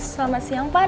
selamat siang pak